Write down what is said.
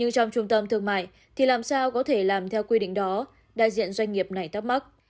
trong thương mại thì làm sao có thể làm theo quy định đó đại diện doanh nghiệp này tắc mắc